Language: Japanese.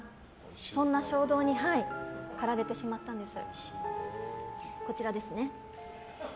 そんな衝動に駆られてしまったんです。